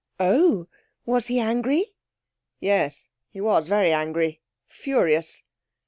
'Oh! Was he angry?' 'Yes. He was very angry furious.'